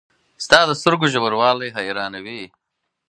• ستا د سترګو ژوروالی حیرانوي.